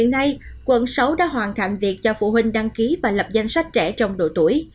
hiện nay quận sáu đã hoàn thành việc cho phụ huynh đăng ký và lập danh sách trẻ trong độ tuổi